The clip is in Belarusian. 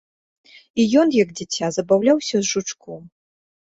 І ён, як дзіця, забаўляўся з жучком.